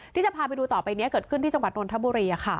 ที่จะพาไปดูต่อไปนี้เกิดขึ้นที่จังหวัดนทบุรี